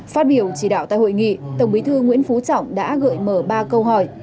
phát biểu chỉ đạo tại hội nghị tổng bí thư nguyễn phú trọng đã gợi mở ba câu hỏi